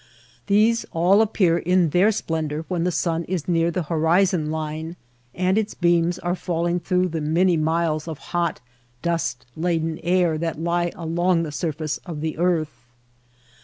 These all appear in their splendor when the sun is near the horizon line and its beams are falling through the many miles of hot, dust laden air that lie along the surface of the earth.